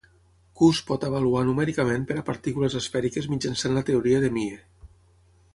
"Q" es pot avaluar numèricament per a partícules esfèriques mitjançant la teoria de Mie.